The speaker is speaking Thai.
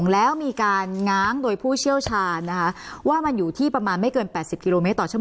แล้วมีการง้างโดยผู้เชี่ยวชาญนะคะว่ามันอยู่ที่ประมาณไม่เกิน๘๐กิโลเมตรต่อชัว